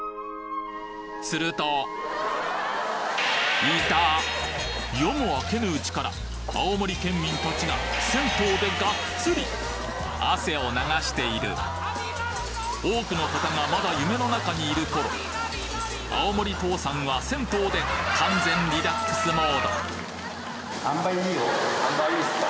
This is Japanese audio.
すると夜も明けぬうちから青森県民達が銭湯でがっつり汗を流している多くの方がまだ夢の中にいる頃青森父さんは銭湯で完全リラックスモードあんばい良いですか？